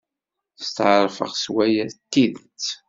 Steɛṛfeɣ s waya d tidet.